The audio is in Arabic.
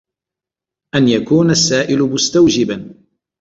أَنْ يَكُونَ السَّائِلُ مُسْتَوْجِبًا